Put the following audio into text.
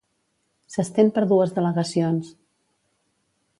S'estén per dues delegacions.